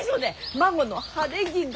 孫の晴れ着が。